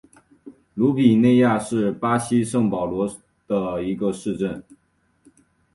鲁比内亚是巴西圣保罗州的一个市镇。